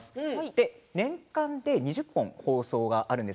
年間で２０本放送があります